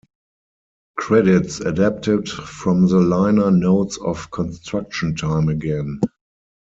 Credits adapted from the liner notes of "Construction Time Again".